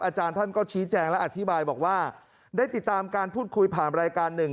อาจารย์ท่านก็ชี้แจงและอธิบายบอกว่าได้ติดตามการพูดคุยผ่านรายการหนึ่ง